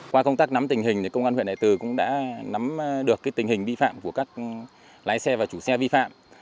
qua công tác nắm tình hình công an huyện đại từ cũng đã nắm được tình hình vi phạm của các lái xe và chủ xe vi phạm